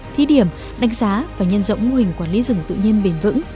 thí điểm đánh giá và nhân rộng mô hình quản lý rừng tự nhiên bền vững